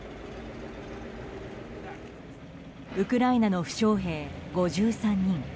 ウクライナの負傷兵５３人。